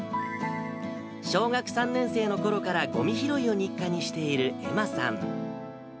小学３年生のころからごみ拾いを日課にしている愛茉さん。